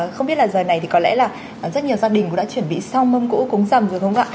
không biết là giờ này thì có lẽ là rất nhiều gia đình cũng đã chuẩn bị xong mâm cũ cúng rầm rồi không ạ